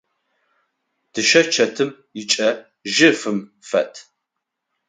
Дышъэчэтым ыкӏэ жьыфым фэд.